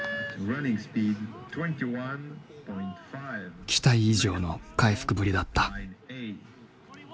期待以上の回復ぶりだった。